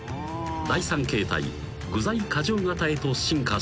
［第３形態具材過剰型へと進化したのだ］